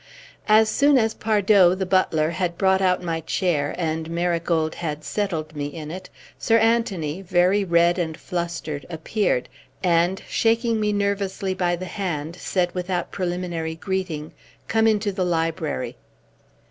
As soon as Pardoe, the butler, had brought out my chair and Marigold had settled me in it, Sir Anthony, very red and flustered, appeared and, shaking me nervously by the hand, said without preliminary greeting: "Come into the library."